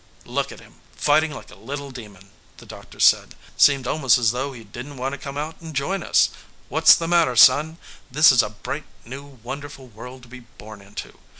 "Look at him fighting like a little demon!" the doctor said. "Seemed almost as though he didn't want to come out and join us.... What's the matter, son? This is a bright, new, wonderful world to be born into....